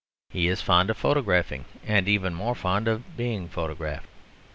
He is fond of photographing, and even more fond of being photographed.